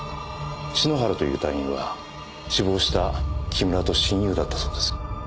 篠原という隊員は死亡した木村と親友だったそうです。